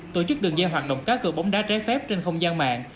tổ chức đường dây hoạt động cá cơ bóng đá trái phép trên không gian mạng